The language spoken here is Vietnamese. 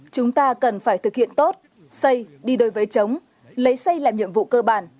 chúng ta cần phải thực hiện tốt xây đi đôi với chống lấy xây làm nhiệm vụ cơ bản